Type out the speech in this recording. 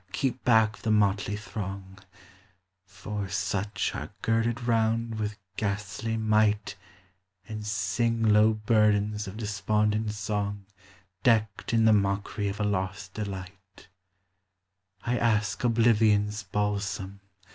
keep back the motley throng, — For such are girded round with ghastly might, And sing low burdens of despondent song, Decked in the mockery of a lost delight; I ask oblivion's balsam